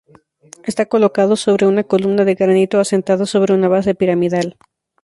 Está colocado sobre una columna de granito asentada sobre una base piramidal.